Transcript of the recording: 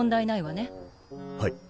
はい。